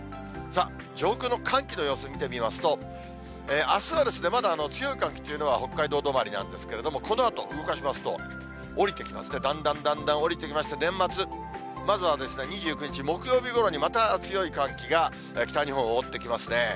上空の寒気の様子見てみますと、あすはまだ強い寒気というのは、北海道止まりなんですけれども、このあと動かしますと、下りてきますね、だんだんだんだん下りてきまして、年末、まずは２９日木曜日ごろに、また強い寒気が北日本を覆ってきますね。